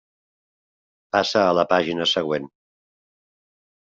Passa a la pàgina següent.